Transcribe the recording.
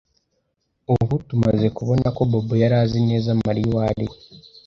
Ubu tumaze kubona ko Bobo yari azi neza Mariya uwo ari we.